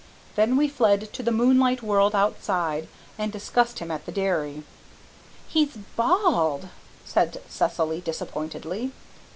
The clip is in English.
Then we fled to the moonlight world outside and discussed him at the dairy. "He's bald," said Cecily disappointedly.